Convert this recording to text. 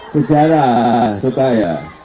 sejarah suka ya